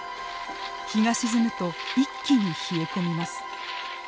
日が沈むと一気に冷え込みます。